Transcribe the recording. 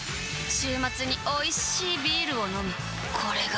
週末においしいビールを飲むあたまらんっ